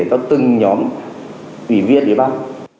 từ từng nhóm ủy viên địa bàn